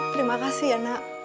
terima kasih ya nak